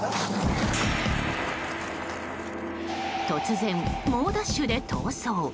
突然、猛ダッシュで逃走。